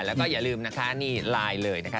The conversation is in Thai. แล้วก็อย่าลืมนะคะนี่ไลน์เลยนะคะ